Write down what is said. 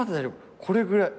これぐらい。